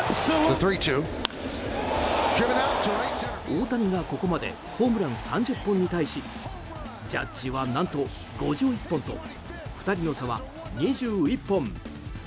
大谷がここまでホームラン３０本に対しジャッジは何と５１本と２人の差は２１本。